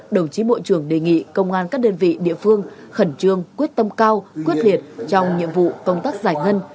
đồng chí bộ trưởng đề nghị công an các đơn vị địa phương khẩn trương quyết tâm cao quyết liệt trong nhiệm vụ công tác giải ngân